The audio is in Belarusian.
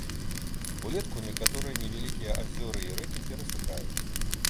Улетку некаторыя невялікія азёры і рэкі перасыхаюць.